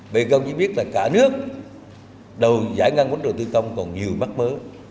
bởi vì không chỉ biết là cả nước đầu giải ngân vốn đầu tư công còn nhiều mắc mớ